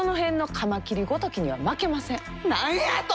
何やと！